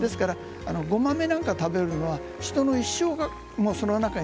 ごまめなんか食べるのは人の一生がその中に。